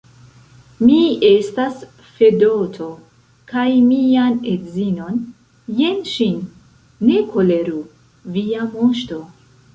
Mi estas Fedoto, kaj mian edzinon, jen ŝin, ne koleru, via moŝto!